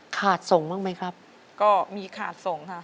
ส่งบ้างไหมครับก็มีขาดส่งค่ะ